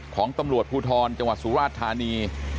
ของตำรวจภูทรจังหวัดสุราชธานี